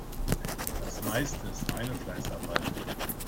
Das Meiste ist reine Fleißarbeit.